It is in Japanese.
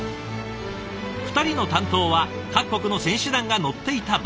２人の担当は各国の選手団が乗っていたバス。